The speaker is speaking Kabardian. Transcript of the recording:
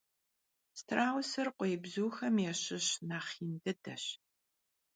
Strausır khueebzuxem yaşışu nexh yin dıdeş.